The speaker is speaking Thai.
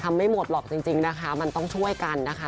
ไม่หมดหรอกจริงนะคะมันต้องช่วยกันนะคะ